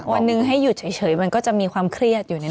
วันหนึ่งให้หยุดเฉยมันก็จะมีความเครียดอยู่ในนั้น